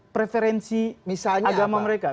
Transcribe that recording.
preferensi agama mereka